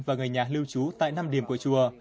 và người nhà lưu trú tại năm điểm của chùa